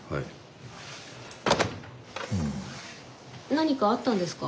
何かあったんですか？